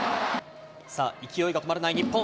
さあ、勢いが止まらない日本。